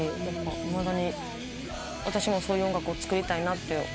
いまだに私もそういう音楽を作りたいなって思いますね。